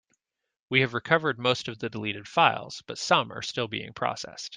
We have recovered most of the deleted files, but some are still being processed.